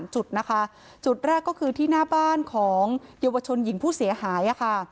จุดนะคะจุดแรกก็คือที่หน้าบ้านของเยาวชนหญิงผู้เสียหายค่ะ